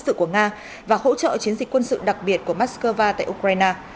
đơn vị sẽ giám sát và hỗ trợ chiến dịch quân sự đặc biệt của moscow tại ukraine